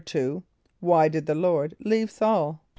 = Why did the Lord leave S[a:]ul?